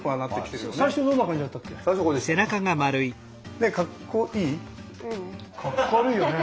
かっこ悪いよね。